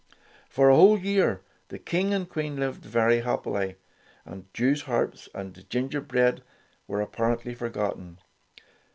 For a whole year the King and Queen lived very happily, and Jewsharps and gin gerbread were apparently forgotten.